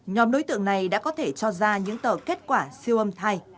nhóm đối tượng này đã có thể cho ra những tờ kết quả siêu âm thai